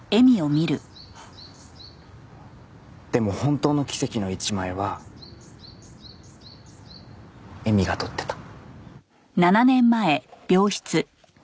でも本当の奇跡の一枚は絵美が撮ってた。